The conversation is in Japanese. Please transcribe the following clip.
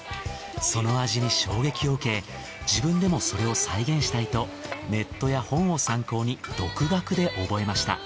その味に衝撃を受け自分でもそれを再現したいとネットや本を参考に独学で覚えました。